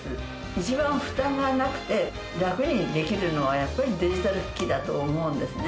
一番負担がなくてラクにできるのはやっぱりデジタル機器だと思うんですね。